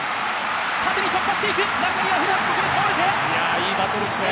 いいバトルですね。